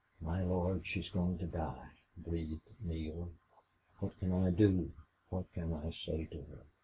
"My Lord! she's going to die!" breathed Neale. "What can I do what can I say to her?"